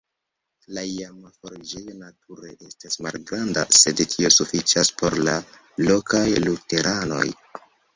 La iama forĝejo nature estas malgranda, sed tio sufiĉas por la lokaj luteranoj.